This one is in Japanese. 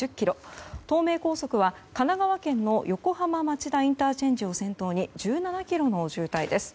東名高速は神奈川県の横浜町田ＩＣを先頭に１７ｋｍの渋滞です。